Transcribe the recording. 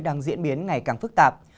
đang diễn biến ngày càng phức tạp